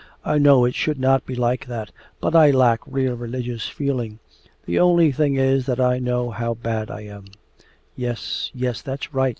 I know it should not be like that, but I lack real religious feeling. The only thing is that I know how bad I am...' 'Yes, yes, that's right!